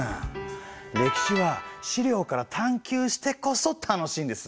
歴史は資料から探究してこそ楽しいんです。